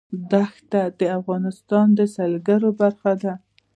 دښتې د افغانستان د سیلګرۍ برخه ده.